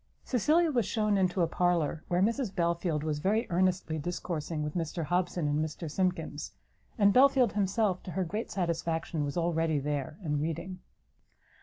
Cecilia was shewn into a parlour, where Mrs Belfield was very earnestly discoursing with Mr Hobson and Mr Simkins; and Belfield himself, to her great satisfaction, was already there, and reading.